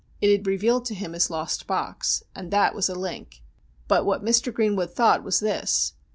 It had revealed to him his lost box, and that was a link. But what Mr. Greenwood thought was this.